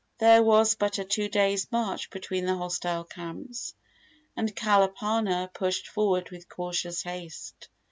There was but a two days' march between the hostile camps, and Kalapana pushed forward with cautious haste.